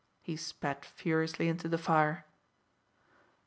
He spat furiously into the fire.